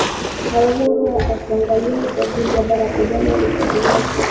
sababu nikiangalia uchaguzi wa barak obama alivyo chaguliwa na mambo ambayo yamefanyika